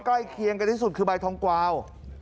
เคียงกันที่สุดคือใบทองกวาว